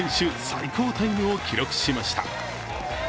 最高タイムを記録しました。